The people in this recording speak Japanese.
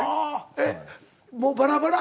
えっもうバラバラ？